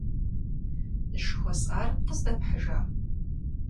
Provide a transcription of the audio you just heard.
Жыхуэсӏар къыздэпхьыжа?